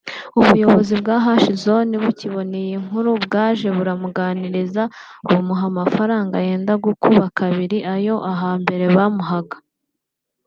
ubuyobozi bwa ‘H Zone ‘ bukibona iyi nkuru bwaraje buramuganiriza bumuha amafaranga yenda gukuba kabiri ayo ahambere bamuhaga